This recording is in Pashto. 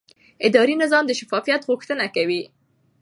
اداري نظام د شفافیت غوښتنه کوي.